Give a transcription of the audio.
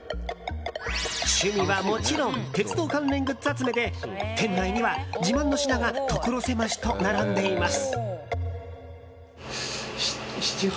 趣味はもちろん鉄道関連グッズ集めで店内には自慢の品が所狭しと並んでいます。